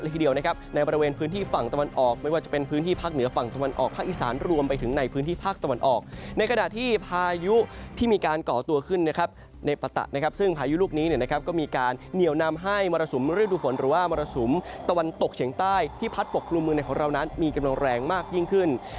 ตะวันตกเฉียงใต้ที่พัดปกคลุมมือในของเรานั้นมีกำลังแรงมากยิ่งขึ้น